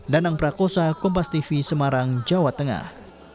danang prakosa kompas tv semarang jawa tengah